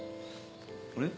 あれ？